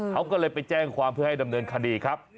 เขาก็เลยไปแจ้งความเพื่อให้ดำเนินคดีครับ